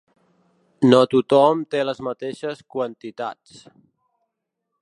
No tothom té les mateixes quantitats.